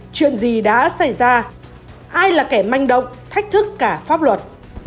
chuyện gì đã xảy ra ai là kẻ manh động thách thức cả pháp luật